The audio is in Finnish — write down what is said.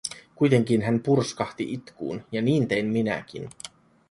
Kuitenkin hän purskahti itkuun ja niin tein minäkin.